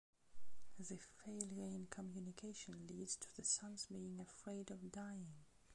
The failure in communication leads to the son's being afraid of dying.